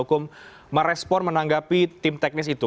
hukum merespon menanggapi tim teknis itu